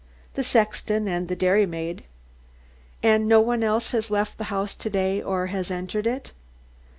"The sexton and the dairymaid." "And no one else has left the house to day or has entered it?"